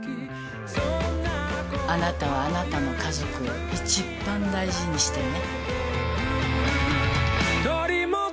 あなたはあなたの家族をいちばん大事にしてね。